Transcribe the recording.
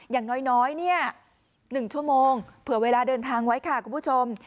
อย่างน้อย๑ชั่วโมงเผื่อเวลาเดินทางไว้ค่ะคุณผู้ชม